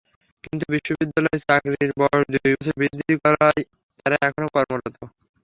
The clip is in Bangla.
কিন্তু বিশ্ববিদ্যালয় চাকরির বয়স দুই বছর বৃদ্ধি করায় তাঁরা এখনো কর্মরত।